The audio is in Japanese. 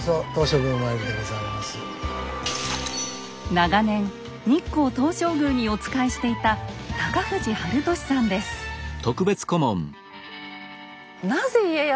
長年日光東照宮にお仕えしていたアハハハッ。